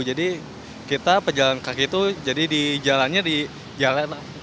jadi kita pejalan kaki itu jadi di jalannya di jalan